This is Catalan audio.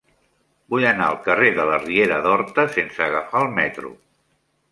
Vull anar al carrer de la Riera d'Horta sense agafar el metro.